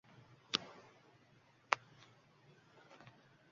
Oqila, dono, aqlli kelinni topgan onam bu haqda faxr bilan gapirishni yaxshi ko'radi